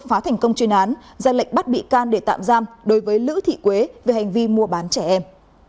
phá thành công chuyên án ra lệnh bắt bị can để tạm giam đối với lữ thị quế về hành vi mua bán trẻ em